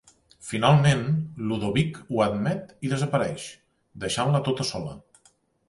Finalment, Ludovic ho admet i desapareix, deixant-la tota sola.